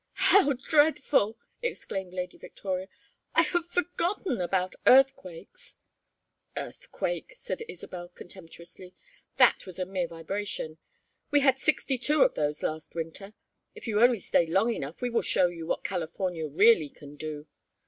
"How dreadful!" exclaimed Lady Victoria. "I had forgotten about earthquakes " "Earthquake!" said Isabel, contemptuously. "That was a mere vibration. We had sixty two of those last winter. If you only stay long enough we will show you what California really can do.